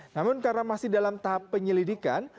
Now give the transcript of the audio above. namun karena masih dalam tahap penyelidikan